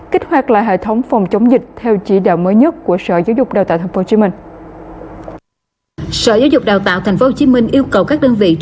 kích hoạt lại hệ thống phòng chống dịch theo chỉ đạo mới nhất của sở giáo dục đào tạo tp hcm